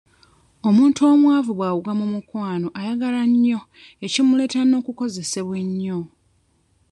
Omuntu omwavu bw'agwa mu mukwano ayagala nnyo ekimuleetera n'okukozesebwa ennyo.